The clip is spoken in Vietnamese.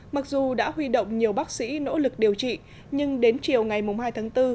mặc dù đã huy động nhiều bác sĩ nỗ lực điều trị nhưng đến chiều ngày hai tháng bốn